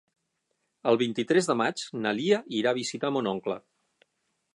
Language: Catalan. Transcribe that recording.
El vint-i-tres de maig na Lia irà a visitar mon oncle.